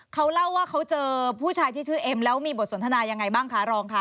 เขาเล่าว่าเขาเจอผู้ชายที่ชื่อเอ็มแล้วมีบทสนทนายังไงบ้างคะรองค่ะ